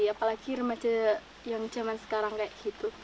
apalagi remaja yang zaman sekarang kayak gitu